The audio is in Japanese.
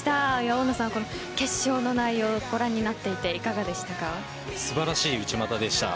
大野さん決勝の内容をご覧になっていて素晴らしい内股でした。